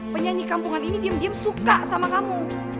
penyanyi kampungan ini diem diem suka sama kamu